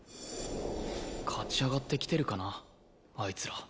勝ち上がってきてるかなあいつら